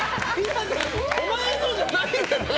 お前のじゃないからな。